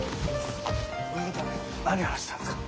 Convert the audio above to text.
親方何話してたんすか？